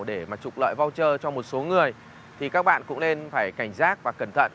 để trục lợi voucher cho một số người thì các bạn cũng nên phải cảnh giác và cẩn thận